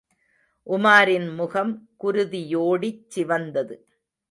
உமாரின் முகம் குருதியோடிச் சிவந்தது.